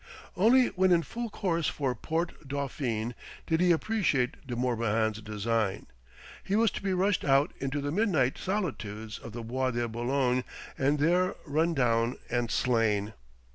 Only when in full course for Porte Dauphine did he appreciate De Morbihan's design. He was to be rushed out into the midnight solitudes of the Bois de Boulogne and there run down and slain.